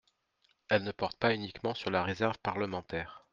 Elle ne porte pas uniquement sur la réserve parlementaire.